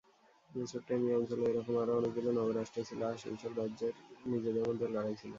Mesopotamia অঞ্চলে এ রকম আরো অনেকগুলো নগর রাষ্ট্র ছিল, আর সেই সব রাজ্যের নিজেদের মধ্যেও লড়াই ছিল।